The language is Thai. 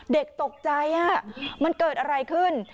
เด็กตกใจมันเกิดอะไรขึ้น